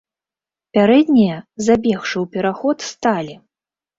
Пярэднія, забегшы ў пераход, сталі.